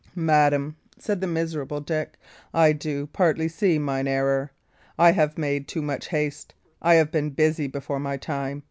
"Madam," said the miserable Dick, "I do partly see mine error. I have made too much haste; I have been busy before my time.